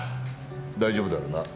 大丈夫だろうな？